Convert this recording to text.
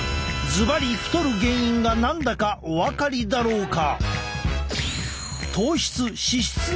ズバリ太る原因が何だかお分かりだろうか？